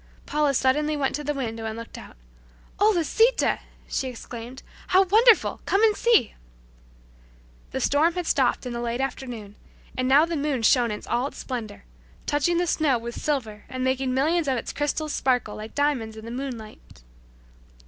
Paula suddenly went to the window and looked out, "Oh, Lisita!" she exclaimed, "how wonderful! Come and see." The storm had stopped in the late afternoon, and now the moon shone in all its splendor, touching the snow with silver and making millions of its crystals sparkle like diamonds in the moonlight.